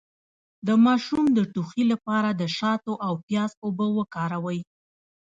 د ماشوم د ټوخي لپاره د شاتو او پیاز اوبه وکاروئ